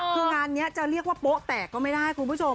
คืองานนี้จะเรียกว่าโป๊ะแตกก็ไม่ได้คุณผู้ชม